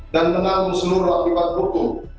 dan menanggung seluruh akibat hukum